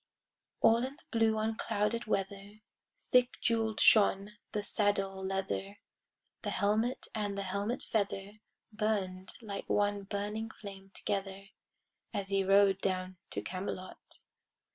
All in the blue unclouded weather Thick jewel'd shone the saddle leather, The helmet and the helmet feather Burn'd like one burning flame together, As he rode down to Camelot.